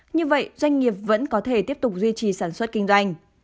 như vậy doanh nghiệp vẫn có thể tiếp tục duy trì sản xuất kinh doanh